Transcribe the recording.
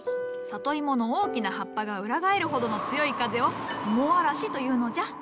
里芋の大きな葉っぱが裏返るほどの強い風を芋嵐というのじゃ。